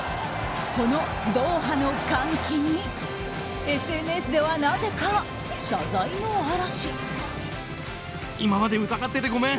このドーハの歓喜にＳＮＳではなぜか謝罪の嵐。